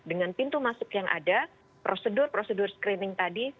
dengan pintu masuk yang ada prosedur prosedur screening tadi